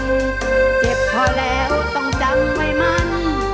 เจ็บพอแล้วต้องจำไว้มัน